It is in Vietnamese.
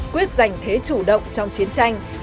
quyết giành thế chủ động trong chiến tranh